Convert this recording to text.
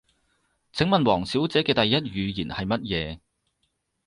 請問王小姐嘅第一語言係乜嘢？